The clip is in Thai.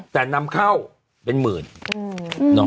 แต่นำเข้าเป็นหมื่น